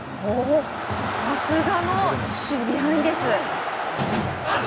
さすがの守備範囲です。